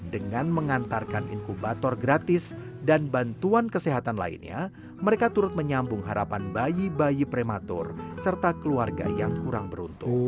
dengan mengantarkan inkubator gratis dan bantuan kesehatan lainnya mereka turut menyambung harapan bayi bayi prematur serta keluarga yang kurang beruntung